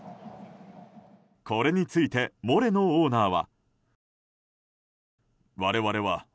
これについてモレノオーナーは。